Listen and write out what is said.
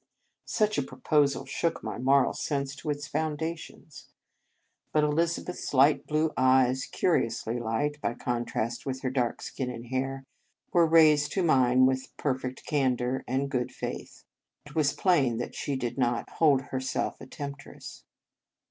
Such a proposal shook my moral sense to its foundations. But Elizabeth s light blue eyes curiously light, by con trast with her dark skin and hair were raised to mine with perfect can dour and good faith. It was plain that she did not hold herself a temptress.